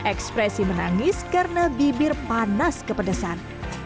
ekspresi menangis karena bibir panas kepedesan